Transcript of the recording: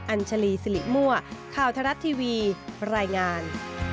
อัญชลีสิริมั่วข่าวทรัฐทีวีรายงาน